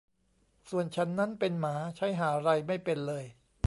ส่วนฉันนั้นเป็นหมาใช้ห่าไรไม่เป็นเลย